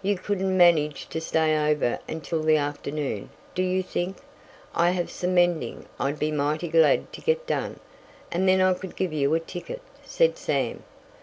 "You couldn't manage to stay over until the afternoon, do you think? I have some mending I'd be mighty glad to get done and then I could give you a ticket," said Sam.